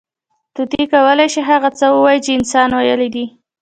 طوطي کولی شي، هغه څه ووایي، چې انسان ویلي دي.